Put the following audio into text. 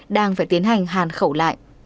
đang phải tiến hành hàn khẩu lại